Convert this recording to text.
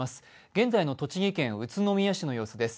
現在の栃木県宇都宮市の様子です。